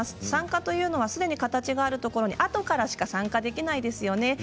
参加というのは、すでに形があるところにあとからしか参加できないですよね。